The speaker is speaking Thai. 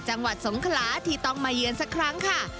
จังหวัดสงขลาที่ต้องมาเยือนสักครั้งค่ะ